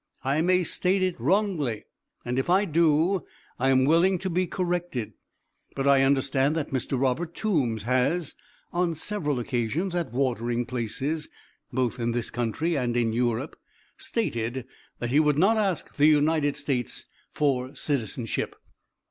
I may state it wrongly, and if I do, I am willing to be corrected, but I understand that Mr. Robert Toombs has, on several occasions, at watering places, both in this country and in Europe, stated that he would not ask the United States for citizenship.